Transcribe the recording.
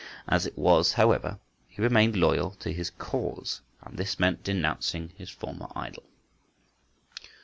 As it was, however, he remained loyal to his cause, and this meant denouncing his former idol.